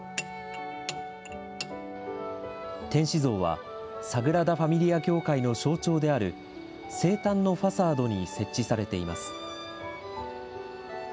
天使像は、サグラダ・ファミリア教会の象徴である生誕のファサードに設置されています。